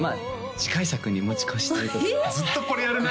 次回作に持ち越しということでずっとこれやるね